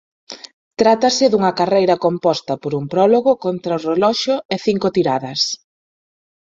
Trátase dunha carreira composta por un prólogo contra o reloxo e cinco tiradas.